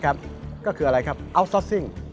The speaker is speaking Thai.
๓แก่งเวทิศ